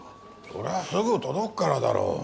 そりゃすぐ届くからだろう。